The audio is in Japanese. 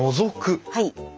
はい。